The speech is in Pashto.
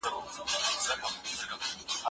کلیوالو سیمو ته خدمات رسیدل.